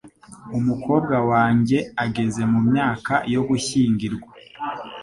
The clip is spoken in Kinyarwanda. Umukobwa wanjye ageze mu myaka yo gushyingirwa.